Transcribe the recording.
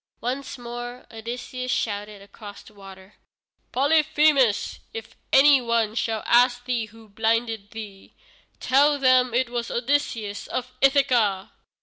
Once more Odysseus shouted across the water: "Polyphemus, if any one shall ask thee who blinded thee, tell them it was Odysseus of Ithaca."